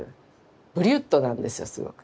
ブリュットなんですよすごく。